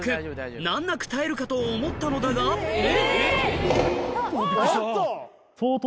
難なく耐えるかと思ったのだが相当。